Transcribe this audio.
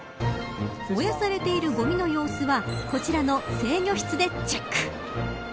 燃やされているごみの様子はこちらの制御室でチェック。